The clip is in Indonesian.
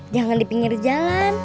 jangan di pinggir jalan